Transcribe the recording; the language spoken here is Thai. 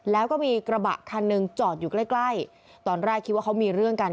แล้วก็มีกระบะคันหนึ่งจอดอยู่ใกล้ใกล้ตอนแรกคิดว่าเขามีเรื่องกัน